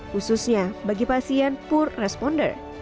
khususnya bagi pasien pur responder